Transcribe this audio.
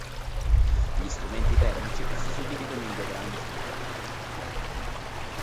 Gli strumenti termici si suddividono in due grandi famiglie.